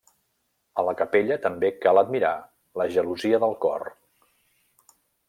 A la Capella també cal admirar la gelosia del Cor.